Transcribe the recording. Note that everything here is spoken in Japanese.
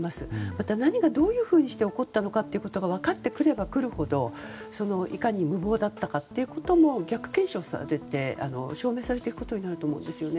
また、何がどういうふうにして起こったのかということが分かってくればくるほどいかに無謀だったかということも逆検証されて証明されていくと思います。